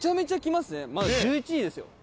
まだ１１時ですよ。